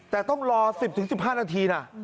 แต่ต้องรอ๑๐๑๕นาทีนะ